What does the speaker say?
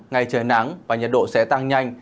ngày trời nắng và nhiệt độ sẽ tăng nhanh